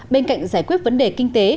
bên cạnh giải quyết vấn đề kinh tế